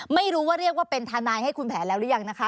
ไม่รู้ว่าเรียกว่าเป็นทนายให้คุณแผนแล้วหรือยังนะคะ